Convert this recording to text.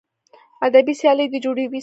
ادبي سیالۍ دې جوړې سي.